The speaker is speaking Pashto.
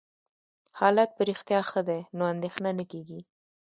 حالت په رښتیا ښه دی، نو اندېښنه نه کېږي.